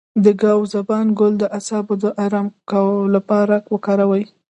د ګاو زبان ګل د اعصابو د ارام لپاره وکاروئ